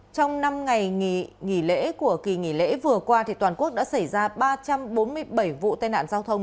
trong năm ngày nghỉ lễ của kỳ nghỉ lễ vừa qua toàn quốc đã xảy ra ba trăm bốn mươi bảy vụ tai nạn giao thông